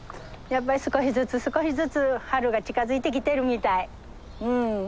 やっぱり少しずつ少しずつ春が近づいてきてるみたい。